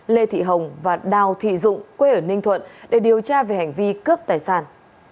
lê thị hồng và đào thị dụng quê ở ninh thuận để điều tra về hành vi cướp tài sản